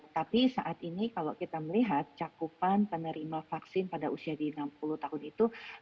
tapi saat ini kalau kita melihat cakupan penerima vaksin pada usia di enam puluh tahun itu